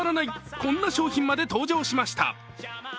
こんな商品まで登場しました。